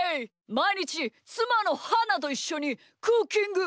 まいにちつまのはなといっしょにクッキング！